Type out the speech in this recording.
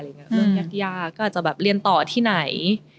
เรื่องยากก็จะเรียนต่อที่ไหน